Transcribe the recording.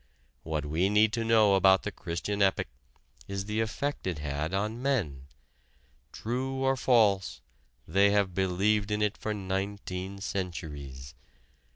What we need to know about the Christian epic is the effect it had on men true or false, they have believed in it for nineteen centuries.